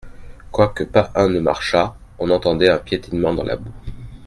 Quoique pas un ne marchât, on entendait un piétinement dans la boue.